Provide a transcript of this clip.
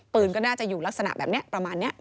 ก็น่าจะอยู่ลักษณะแบบนี้ประมาณนี้